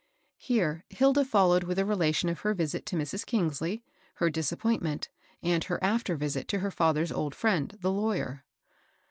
Here Hilda followed with a relation of her visit to Mrs. Kingsley, her disappointment, and her after visit to her fitther's old friend, the lawyer.